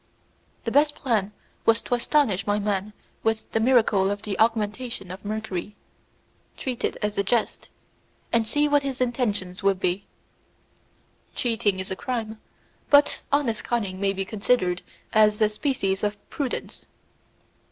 The best plan was to astonish my man with the miracle of the augmentation of the mercury, treat it as a jest, and see what his intentions would be. Cheating is a crime, but honest cunning may be considered as a species of prudence.